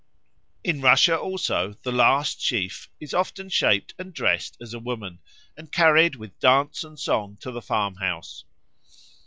In Russia also the last sheaf is often shaped and dressed as a woman, and carried with dance and song to the farmhouse.